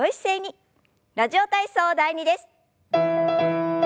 「ラジオ体操第２」です。